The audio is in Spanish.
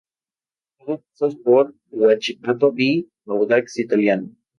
Tuvo pasos por Huachipato y Audax Italiano.